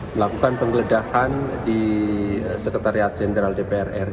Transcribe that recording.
melakukan penggeledahan di sekretariat jenderal dpr ri